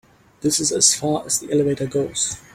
This is as far as the elevator goes.